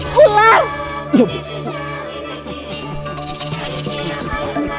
soalan perusahaan mayoritas di lapangan